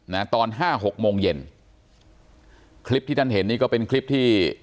นะตอนห้าหกโมงเย็นคลิปที่ท่านเห็นนี่ก็เป็นคลิปที่